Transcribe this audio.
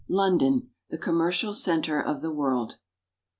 LONDON — THE COMMERCIAL CENTER OF THE WORLD.